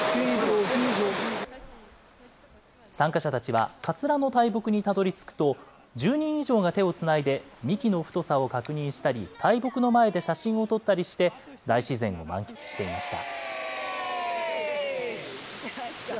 参加者たちは、カツラの大木にたどりつくと、１０人以上が手をつないで幹の太さを確認したり、大木の前で写真を撮ったりして、大自然を満喫していました。